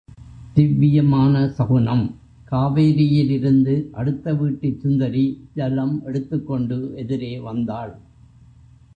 திவ்வியமான சகுனம் காவேரியிலிருந்து அடுத்தவீட்டுச் சுந்தரி ஜலம் எடுத்துக்கொண்டு எதிரே வந்தாள்.